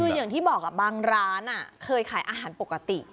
คืออย่างที่บอกบางร้านเคยขายอาหารปกติ